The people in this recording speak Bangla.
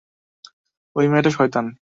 ঐ মেয়েটা শয়তান!